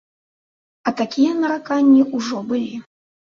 А такія нараканні ўжо былі.